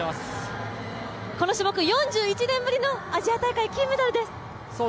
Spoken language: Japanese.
この種目４１年ぶりのアジア大会金メダルです。